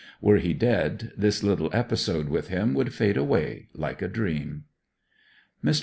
Were he dead, this little episode with him would fade away like a dream. Mr.